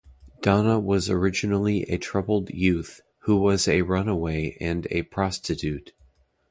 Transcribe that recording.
Donna was originally a troubled youth, who was a runaway and a prostitute.